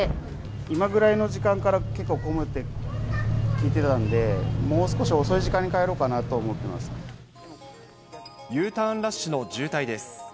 今ぐらいの時間から結構混むって聞いてたんで、もう少し遅いＵターンラッシュの渋滞です。